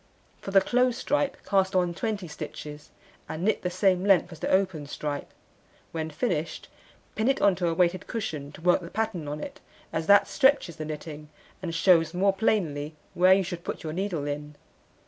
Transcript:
For the close stripe cast on 20 stitches, and knit the same length as the open stripe. When finished, pin it on to a weighted cushion to work the pattern on it, as that stretches the knitting, and shews more plainly where you should put your needle in.